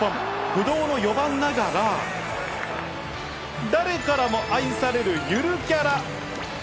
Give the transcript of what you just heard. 不動の４番ながら、誰からも愛されるゆるキャラ。